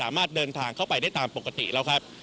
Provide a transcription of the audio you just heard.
เดินทางเข้าไปได้ตามปกติแล้วครับ